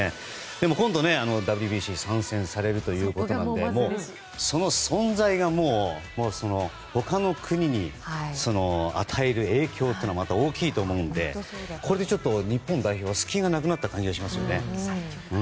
でも、今度ＷＢＣ参戦されるということでその存在がもう他の国に与える影響というのはまた大きいと思うのでこれで日本代表は隙がなくなった感じがしますね。